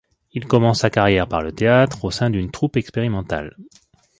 Il commence sa carrière par le théâtre au sein d'une troupe expérimentale.